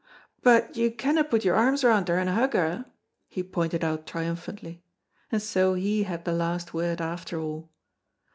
"But you canna put your arms round her and hug her," he pointed out triumphantly, and so he had the last word after all.